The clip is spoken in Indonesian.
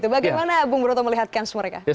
bagaimana bu broto melihatkan semua mereka